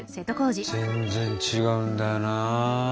全然違うんだよな。